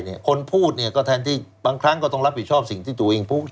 คนพูดเนี่ยก็แทนที่บางครั้งก็ต้องรับผิดชอบสิ่งที่ตัวเองพูด